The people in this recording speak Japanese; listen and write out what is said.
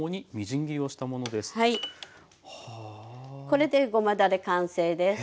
これでごまだれ完成です。